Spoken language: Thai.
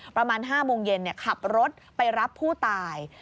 ประมาณ๕โมงเย็นขับรถไปรับผู้ตาย